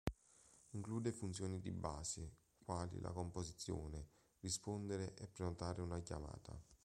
Include funzioni di base, quali la composizione, rispondere e prenotare una chiamata.